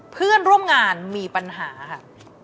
เพื่อนร่วมงานมีปัญหาค่ะ